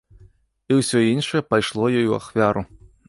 І ўсё іншае пайшло ёй у ахвяру.